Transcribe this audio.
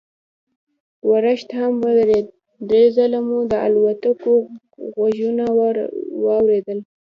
ورښت هم ودرېد، درې ځله مو د الوتکو غږونه واورېدل.